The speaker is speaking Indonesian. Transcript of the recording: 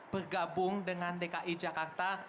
bergabung dengan dki jakarta